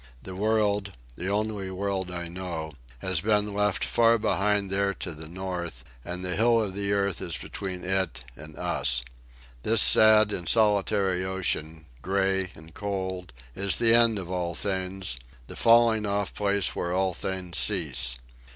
The world—the only world I know—has been left behind far there to the north, and the hill of the earth is between it and us. This sad and solitary ocean, gray and cold, is the end of all things, the falling off place where all things cease.